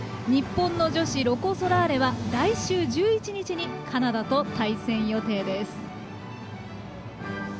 日本の女子、ロコ・ソラーレは来週１１日にカナダと対戦予定です。